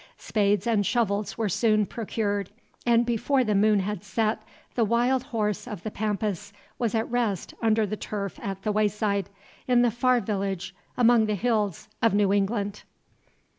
Spades and shovels were soon procured, and before the moon had set, the wild horse of the Pampas was at rest under the turf at the wayside, in the far village among the hills of New England.